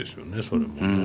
それもね。